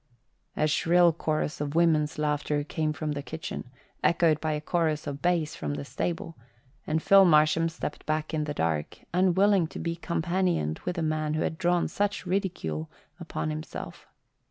A shrill chorus of women's laughter came from the kitchen, echoed by a chorus of bass from the stable, and Phil Marsham stepped back in the dark, unwilling to be companioned with the man who had drawn such ridicule upon himself.